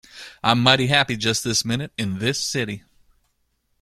I'm mighty happy just this minute, in this city.